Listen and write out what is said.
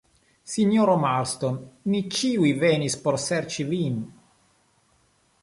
Sinjoro Marston, ni ĉiuj venis por serĉi vin.